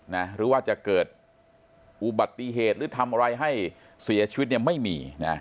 หรือว่าจะเกิดอุบัติเหตุหรือทำอะไรให้เสียชีวิตเนี่ยไม่มีนะ